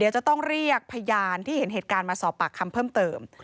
จะต้องเรียกพยานที่เห็นเหตุการณ์มาสอบปากคำเพิ่มเติม